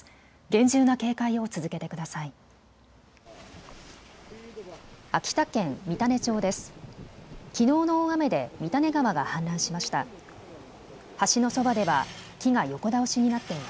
厳重な警戒を続けてください。